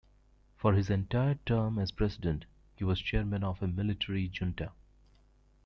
For his entire term as President he was chairman of a military junta.